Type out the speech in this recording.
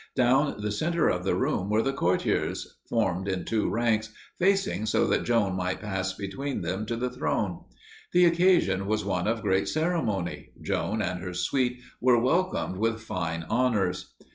Down the center of the room were the courtiers, formed in two ranks, facing so that Joan might pass between them to the throne. The occasion was one of great ceremony Joan and her suite were welcomed with fine honors.